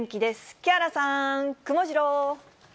木原さん、くもジロー。